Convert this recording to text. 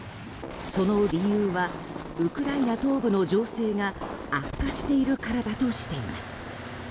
その理由はウクライナ東部の情勢が悪化しているからだとしています。